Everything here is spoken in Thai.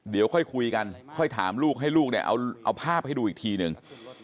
เดี๋ยวค่อยคุยกันค่อยถามลูกให้ลูกเนี่ยเอาภาพให้ดูอีกทีหนึ่ง